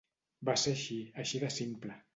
Va ser així, així de simple.